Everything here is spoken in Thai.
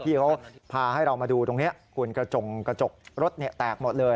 ที่เขาพาให้เรามาดูตรงเนี่ยกุ่นกระจกรถเนี่ยแตกหมดเลย